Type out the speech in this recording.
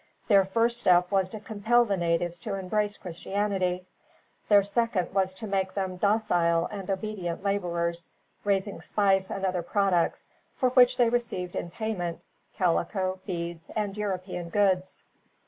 Their first step was to compel the natives to embrace Christianity. Their second to make of them docile and obedient laborers, raising spice and other products, for which they received in payment calico, beads, and European goods.